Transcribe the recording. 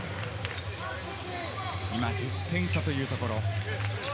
今１０点差というところ。